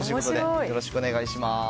よろしくお願いします。